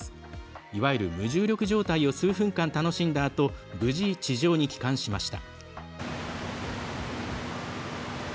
いわゆる無重力状態を数分間、楽しんだあと無事、地上に帰還しました。